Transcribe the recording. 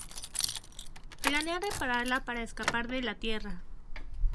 Planea repararla para escapar de la Tierra.